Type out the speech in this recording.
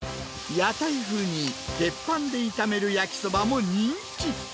屋台風に鉄板で炒める焼きそばも人気。